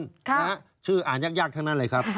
ชื่ออ่านยากทั้งนั้นเลยครับ